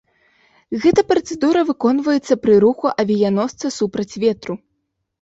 Гэта працэдура выконваецца пры руху авіяносца супраць ветру.